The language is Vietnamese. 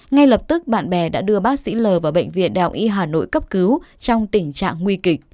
ngay lập tức bạn bè đã đưa bác sĩ l vào bệnh viện đại học y hà nội cấp cứu trong tình trạng nguy kịch